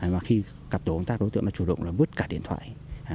và khi cặp tổ đối tượng đã chủ động vứt cả điện thoại